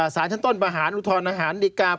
สารชั้นต้นประหารอุทธรณอาหารดีกา